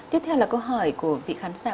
tiếp theo là câu hỏi của vị khán giả